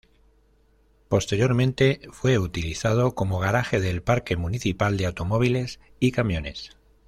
Posteriormente fue utilizado como garaje del parque municipal de automóviles y camiones.